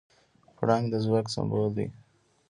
پړانګ د ځواک سمبول دی.